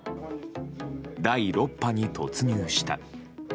第６波に突入した。